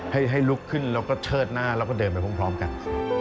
ให้ลุกขึ้นแล้วก็เชิดหน้าแล้วก็เดินไปพร้อมกัน